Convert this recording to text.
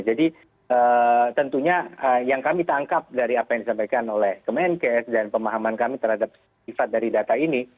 jadi tentunya yang kami tangkap dari apa yang disampaikan oleh kemenkes dan pemahaman kami terhadap sifat dari data ini